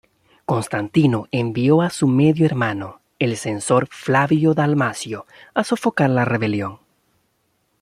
Constantino envió a su medio-hermano, el Censor Flavio Dalmacio, a sofocar la rebelión.